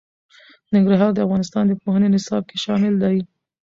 ننګرهار د افغانستان د پوهنې نصاب کې شامل دي.